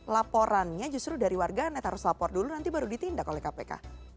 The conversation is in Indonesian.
laporannya justru dari warga net harus lapor dulu nanti baru ditindak oleh kpk